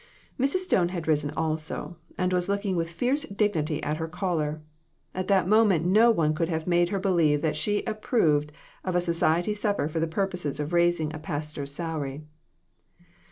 Mrs. Stone had risen, also, and was looking with fierce dignity at her caller. At that moment no one could have made her believe that she approved of a society supper for the purpose of raising a pastor's salary.